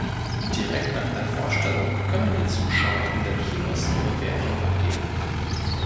Direkt nach der Vorstellung können die Zuschauer in den Kinos ihre Wertung abgeben.